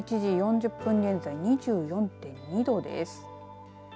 １時４０分現在２４．２度です。